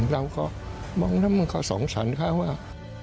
เราก็มองว่ามันเขาสงสารค่ะว่า